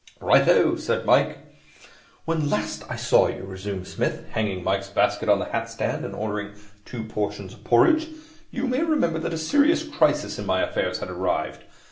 'Right O!' said Mike. 'When last I saw you,' resumed Psmith, hanging Mike's basket on the hat stand and ordering two portions of porridge, 'you may remember that a serious crisis in my affairs had arrived.